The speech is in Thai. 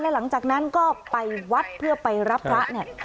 หลังจากนั้นก็ไปวัดเพื่อไปรับพระเนี่ย